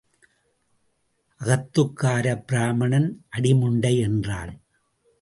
அகத்துக்காரப் பிராம்மணன் அடிமுண்டை என்றால்.